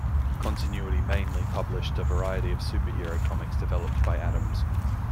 Continuity mainly published a variety of superhero comics developed by Adams.